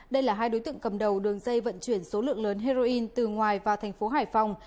đây là hai đối tượng cầm đầu đường dây vận chuyển số lượng lớn heroin từ ngoài vào thành phố hải phòng